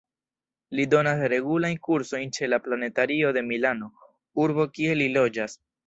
Li donas regulajn kursojn ĉe la Planetario de Milano, urbo kie li loĝas.